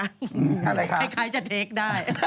อะไรคะคล้ายจะตัวแรงได้